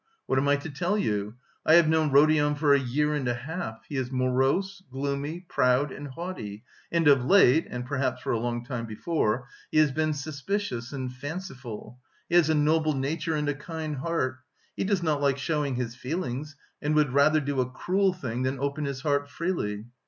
What am I to tell you? I have known Rodion for a year and a half; he is morose, gloomy, proud and haughty, and of late and perhaps for a long time before he has been suspicious and fanciful. He has a noble nature and a kind heart. He does not like showing his feelings and would rather do a cruel thing than open his heart freely.